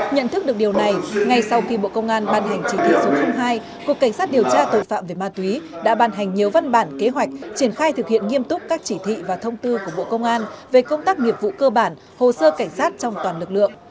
nhận thức được điều này ngay sau khi bộ công an ban hành chỉ thị số hai cục cảnh sát điều tra tội phạm về ma túy đã ban hành nhiều văn bản kế hoạch triển khai thực hiện nghiêm túc các chỉ thị và thông tư của bộ công an về công tác nghiệp vụ cơ bản hồ sơ cảnh sát trong toàn lực lượng